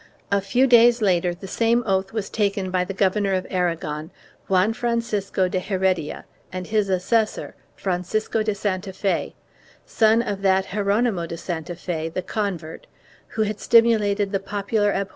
A few days later the same oath was taken by the Governor of Aragon, Juan Francisco de Heredia and his assessor, Francisco de Santa Fe, son of that Geronimo de Santa Fe the convert, who had stimulated the popular abhorrence of 1 Arch.